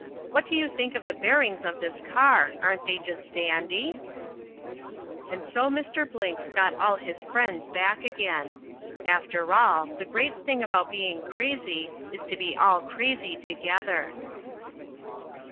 What do you think of the bearings of this car? Aren't they just dandy?" And so Mr. Blinks has got all his friends back again. After all, the great thing about being crazy is to be all crazy together.